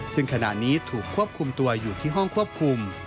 ซึ่งขณะนี้ถูกควบคุมตัวอยู่ที่ห้องควบคุม